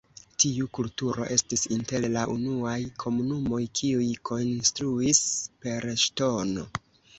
Tiu kulturo estis inter la unuaj komunumoj, kiuj konstruis per ŝtono.